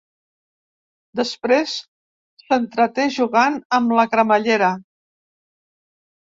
Després s'entreté jugant amb la cremallera.